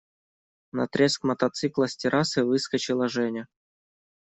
На треск мотоцикла с террасы выскочила Женя.